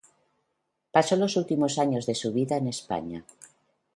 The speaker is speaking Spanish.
Pasó los últimos años de su vida en España.